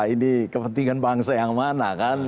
ini kepentingan bangsa yang mana kan